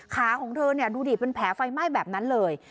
ของเธอดูดิเป็นแผลไฟไหม้แบบนั้นเลย